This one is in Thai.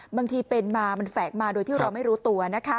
บางทีเป็นมามันแฝกมาโดยที่เราไม่รู้ตัวนะคะ